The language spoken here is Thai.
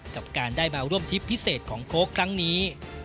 กับการได้มาร่วมทริปพิเศษของโค้กครั้งนี้